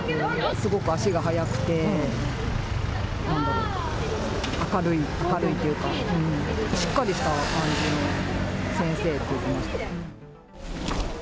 すごく足が速くて、明るい、明るいというか、しっかりした感じの先生って言ってました。